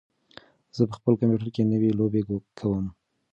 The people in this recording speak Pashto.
زه په خپل کمپیوټر کې نوې لوبې کوم.